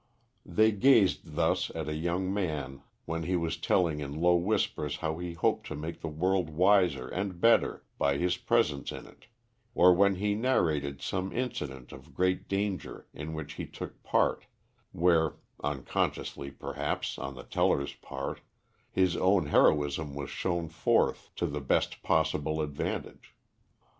They gazed thus at a young man when he was telling in low whispers how he hoped to make the world wiser and better by his presence in it, or when he narrated some incident of great danger in which he took part, where (unconsciously, perhaps, on the teller's part) his own heroism was shown forth to the best possible advantage.